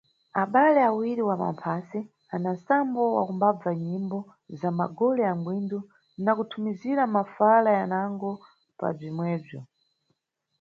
Abale awiri wa mamphase ana nsambo wa kumbabva nyimbo za magole ya ngwindo na kuthumizira mafala yanago pa bzwimwebzwo.